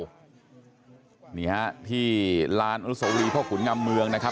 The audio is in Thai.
วานพยาวนี่ฮะที่ร้านอุโสวีพ่อขุนงำเมืองนะครับ